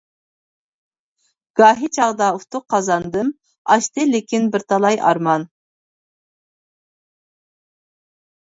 گاھى چاغدا ئۇتۇق قازاندىم، ئاشتى لېكىن بىر تالاي ئارمان.